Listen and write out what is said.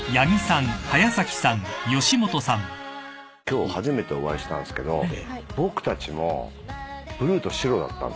今日初めてお会いしたんすけど僕たちもブルーと白だったんですデビューしたとき。